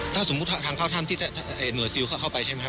ถ้าสมมุติทางเข้าถ้ำที่หน่วยซิลเข้าไปใช่ไหมครับ